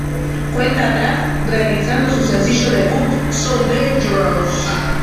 Cuenta atrás, realizando su sencillo debut "So, Dangerous".